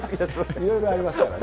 いろいろありましたからね。